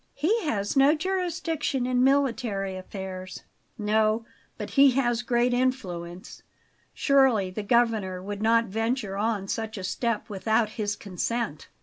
"He has no jurisdiction in military affairs." "No, but he has great influence. Surely the Governor would not venture on such a step without his consent?"